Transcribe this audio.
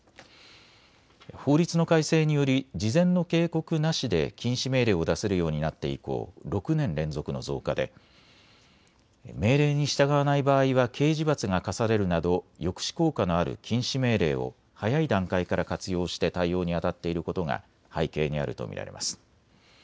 法律の改正により事前の警告なしで禁止命令を出せるようになって以降、６年連続の増加で命令に従わない場合は刑事罰が科されるなど抑止効果のある禁止命令を早い段階から活用して対応にあたっていることが背景にあると見られます。